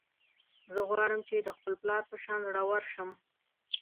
زه غواړم چې د خپل پلار په شان زړور شم